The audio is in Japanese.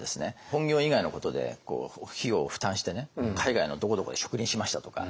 本業以外のことで費用を負担して海外のどこどこで植林しましたとか。